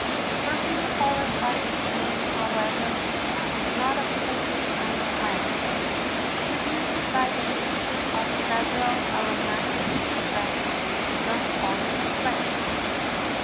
The perfume called by this name, however, is not obtained from the plant, but is produced by the mixture of several aromatic extracts from other plants.